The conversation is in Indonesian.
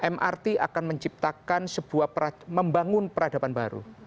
mrt akan menciptakan sebuah membangun peradaban baru